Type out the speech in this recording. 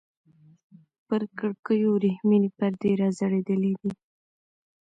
پر کړکيو ورېښمينې پردې راځړېدلې.